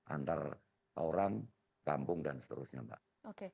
antar orang kampung dan seterusnya mak